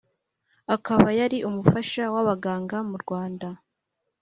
akaba yari umufasha w abaganga mu Rwanda